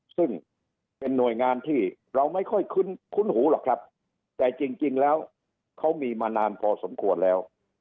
ซึ่งเป็นหน่วยงานที่เราไม่ค่อยคุ้นหูหรอกครับแต่จริงแล้วเขามีมานานพอสมควรแล้ว